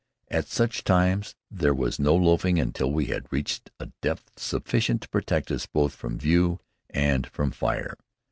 At such times there was no loafing until we had reached a depth sufficient to protect us both from view and from fire.